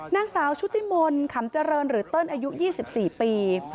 นางสาวชุติมนต์ขำเจริญหรือเติ้ลอายุ๒๔ปี